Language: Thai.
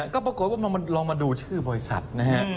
ก็ปรากฏว่าลองมาดูชื่อบริษัทนะฮะ